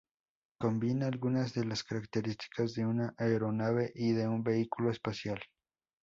Combina algunas de las características de una aeronave y de un vehículo espacial.